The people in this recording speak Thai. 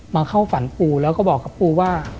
เข้าฝันปูแล้วก็บอกกับปูว่า